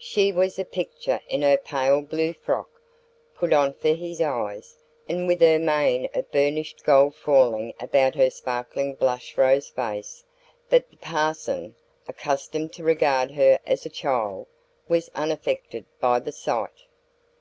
She was a picture in her pale blue frock put on for his eyes and with her mane of burnished gold falling about her sparkling blush rose face; but the parson, accustomed to regard her as a child, was unaffected by the sight.